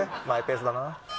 マイペースだな。